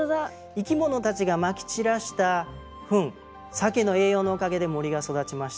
生き物たちがまき散らしたフンサケの栄養のおかげで森が育ちました。